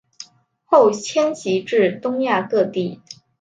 后迁徙至东亚各地。